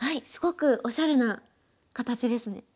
すごくおしゃれな形ですね。